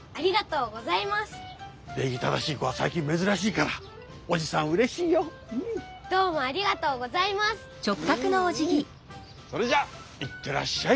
うんうんそれじゃあ行ってらっしゃい。